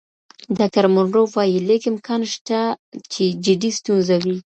ډاکټر مونرو وايي، لږ امکان شته چې جدي ستونزه وي.